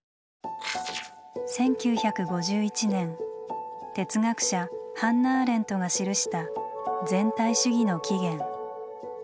１９５１年哲学者ハンナ・アーレントが記した「全体主義の起源」。